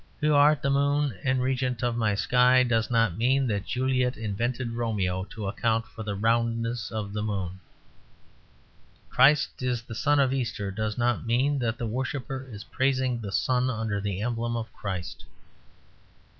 "Who art the moon and regent of my sky" does not mean that Juliet invented Romeo to account for the roundness of the moon. "Christ is the Sun of Easter" does not mean that the worshipper is praising the sun under the emblem of Christ.